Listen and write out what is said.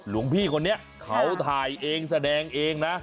หลวงพี่คนนี้เขาถ่ายเองแสดงเองนะ